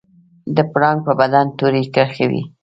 د پړانګ په بدن تورې کرښې وي